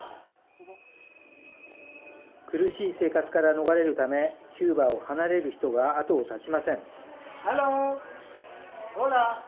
苦しい生活から逃れるためキューバを離れる人が後を絶ちません。